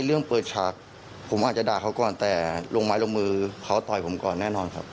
เรื่องเปิดฉากผมอาจจะด่าเขาก่อนแต่ลงไม้ลงมือเขาต่อยผมก่อนแน่นอนครับ